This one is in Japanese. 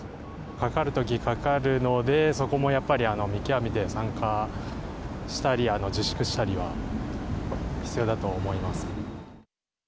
かかるときはかかるので、そこもやっぱり見極めて参加したり、自粛したりは必要だと思いますけど。